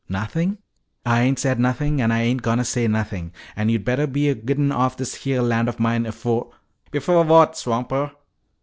"Nothing?" "Ah ain't said nothin' an' Ah ain't a goin' to say nothin'. An' yo' bettah be a gittin' offen this heah land of mine afo' " "Before what, swamper?"